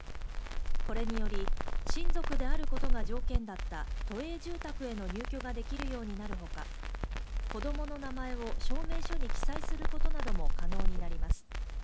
これにより親族であることが条件だった都営住宅への入居ができるようになるほか、子供の名前を証明書に記載することなども可能になります。